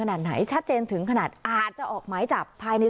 ขนาดไหนชัดเจนถึงขนาดอาจจะออกหมายจับภายใน